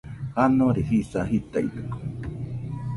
Janore jisa jitaidɨkue.